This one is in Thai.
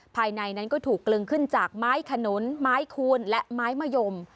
ภายในนั้นก็ถูกกลึงขึ้นจากไม้ขนุนไม้คูณและไม้มะยม